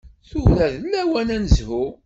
Tura d lawan ad nezhu.